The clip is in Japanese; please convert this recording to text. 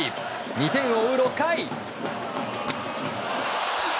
２点を追う６回。